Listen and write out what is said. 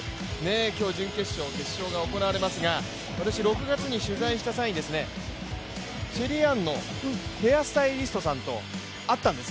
今日、準決勝、決勝が行われますが私、６月に取材した際にシェリーアンのヘアスタイリストさんと会ったんです。